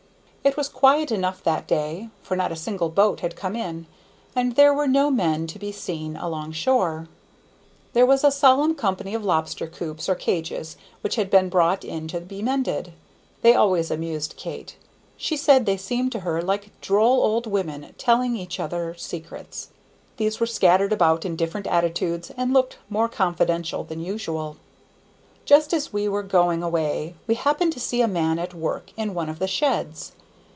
It was quiet enough that day, for not a single boat had come in, and there were no men to be seen along shore. There was a solemn company of lobster coops or cages which had been brought in to be mended. They always amused Kate. She said they seemed to her like droll old women telling each other secrets. These were scattered about in different attitudes, and looked more confidential than usual. Just as we were going away we happened to see a man at work in one of the sheds.